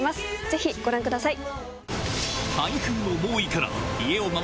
ぜひご覧ください。